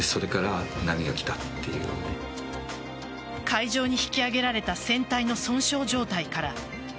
海上に引き揚げられた船体の損傷状態から「ＫＡＺＵ１」